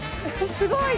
すごい！